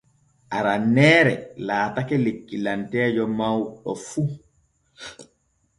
Aranneere laatake lekkilanteejo mawɗo fu.